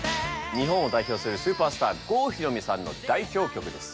日本を代表するスーパースター郷ひろみさんの代表曲です。